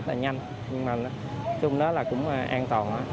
rất là nhanh nhưng mà nói chung đó là cũng an toàn